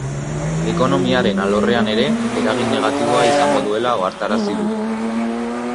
Ekonomiaren alorrean ere eragin negatiboa izango duela ohartarazi du.